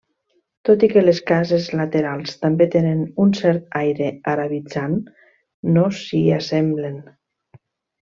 Tot i que les cases laterals també tenen un cert aire arabitzant, no s'hi assemblen.